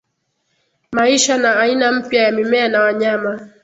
maisha na aina mpya ya mimea na wanyama